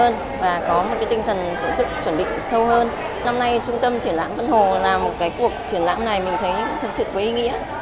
năm nay trung tâm triển lãm văn hồ làm một cuộc triển lãm này mình thấy thật sự quý nghĩa